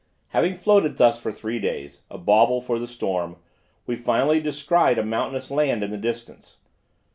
Having floated thus for three days, a bauble for the storm, we finally descried a mountainous land in the distance.